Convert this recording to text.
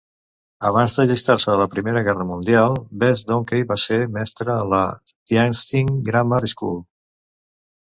Abans d'allistar-se a la Primera Guerra Mundial, Best-Dunkley va ser mestre a la Tienstin Grammar School.